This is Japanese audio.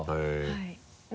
はい。